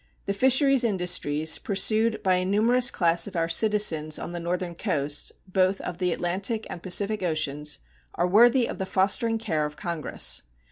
The fisheries industries, pursued by a numerous class of our citizens on the northern coasts, both of the Atlantic and Pacific oceans, are worthy of the fostering care of Congress.